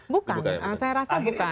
bukan saya rasa bukan